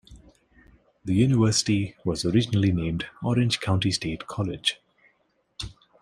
The university was originally named Orange County State College.